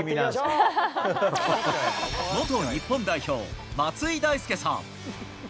元日本代表、松井大輔さん。